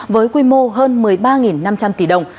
với quy mô hơn một mươi ba năm trăm linh tỷ đồng